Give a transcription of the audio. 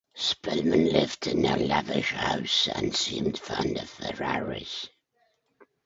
Spillman lived in a lavish house and seemed fond of Ferraris.